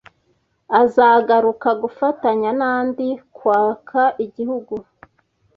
Azakagaruka gufatanya n’andi kuaka igihugu